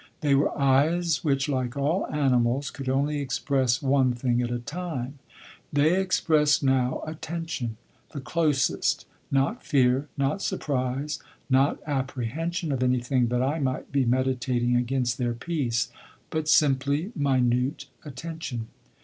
They were eyes which, like all animals', could only express one thing at a time. They expressed now attention, the closest: not fear, not surprise, not apprehension of anything that I might be meditating against their peace, but simply minute attention.